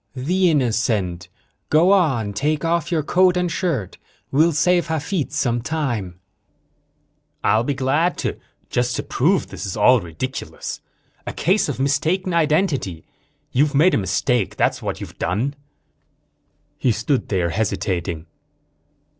"The innocent! Go on, take off your coat and shirt. We'll save Hafitz some time." "I'll be glad to, just to prove this is all ridiculous. A case of mistaken identity. You've made a mistake, that's what you've done." He stood there, hesitating.